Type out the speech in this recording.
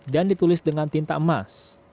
dan ditulis dengan tinta emas